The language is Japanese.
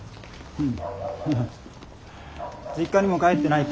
うん。